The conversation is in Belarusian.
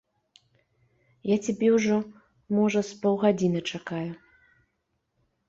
Я цябе ўжо, можа, з паўгадзіны чакаю.